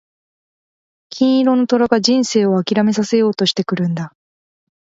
金色の虎が人生を諦めさせようとしてくるんだ。